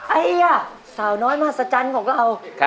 ไอ้อ่ะสาวน้อยมหัศจรรย์ของเรา